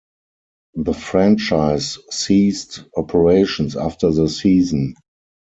The franchise ceased operations after the season.